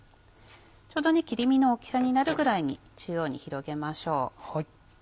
ちょうど切り身の大きさになるぐらいに中央に広げましょう。